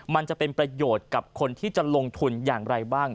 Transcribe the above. มันจะเป็นประโยชน์กับคนที่จะลงทุนอย่างไรบ้าง